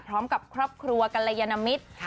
พร้อมกับครอบครัวกัลยนมิตร